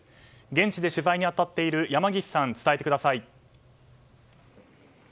現地で取材に当たっている山岸さん、伝えてください。